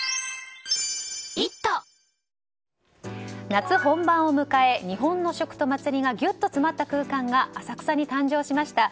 夏本番を迎え日本の食と祭りがギュッと詰まった空間が浅草に誕生しました。